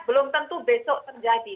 belum tentu besok terjadi